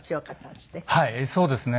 はいそうですね。